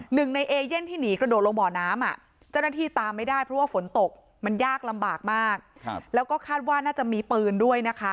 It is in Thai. หนึ่งในเอเย่นที่หนีกระโดดลงบ่อน้ำเจ้าหน้าที่ตามไม่ได้เพราะว่าฝนตกมันยากลำบากมากแล้วก็คาดว่าน่าจะมีปืนด้วยนะคะ